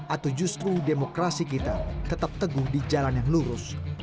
atau justru demokrasi kita tetap teguh di jalan yang lurus